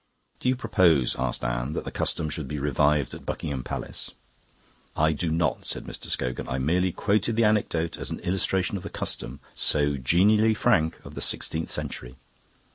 "Do you propose," asked Anne, "that the custom should be revived at Buckingham Palace?" "I do not," said Mr. Scogan. "I merely quoted the anecdote as an illustration of the customs, so genially frank, of the sixteenth century.